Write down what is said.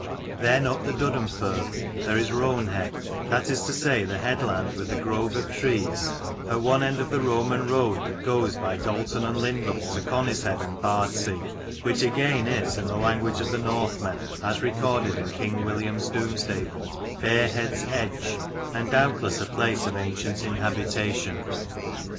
Then up the Duddonfirth there is Roanhead, that is to say the headland with the grove of trees, at one end of the Roman road that goes by Dalton and Lindal to Conishead and Bardsea, which again is, in the language of the Northmen, as recorded in king William's Domesday book, Barehead's edge, and doubtless a place of ancient inhabitation.